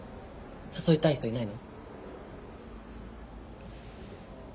誘いたい人いないの？